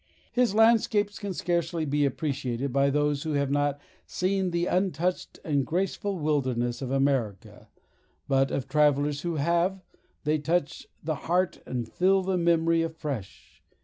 His landscapes can scarcely be appreciated by those who have not seen the untouched and graceful wilderness of America; but of travellers who have, they touch the heart and fill the memory afresh.